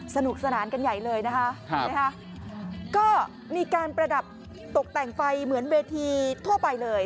สนุกสนานกันใหญ่เลยนะคะก็มีการประดับตกแต่งไฟเหมือนเวทีทั่วไปเลย